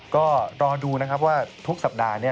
ก็รอดูนะครับว่าทุกสัปดาห์นี้